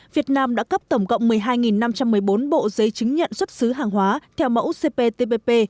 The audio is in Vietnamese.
việt nam đã cấp tổng cộng một mươi hai năm trăm một mươi bốn bộ giấy chứng nhận xuất xứ hàng hóa theo mẫu cptpp